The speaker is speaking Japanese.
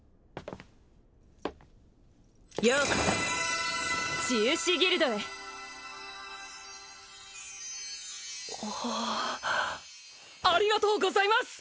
ようこそ治癒士ギルドへありがとうございます！